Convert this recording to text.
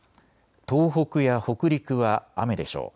東北や北陸は雨でしょう。